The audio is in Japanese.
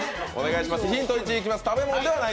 ヒント１いきます。